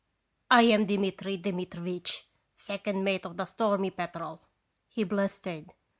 " I am Dmitri Dmitrivitch, second mate of the Stormy Petrel," he blustered.